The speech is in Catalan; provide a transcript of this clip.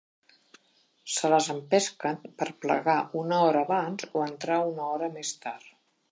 Se les empesquen per plegar una hora abans o entrar una hora més tard.